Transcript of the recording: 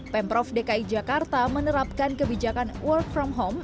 pemprov dki jakarta menerapkan kebijakan work from home